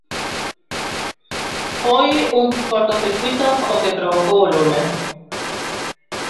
Foi un curtocircuíto o que provocou o lume.